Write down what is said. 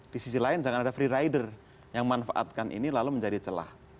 di sisi lain jangan ada free rider yang memanfaatkan ini lalu menjadi celah